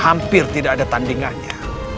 hampir tidak ada tandingannya